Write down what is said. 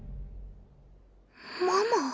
ママ。